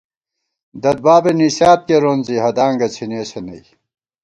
دَدبابےنِسیات کېرون زی ہدانگہ څِھنېسہ نئ